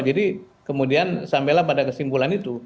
jadi kemudian sampailah pada kesimpulan itu